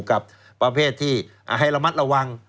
กับประเภทที่ให้ระมัดระวัง